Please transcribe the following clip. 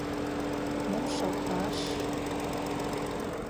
Мом шылташ...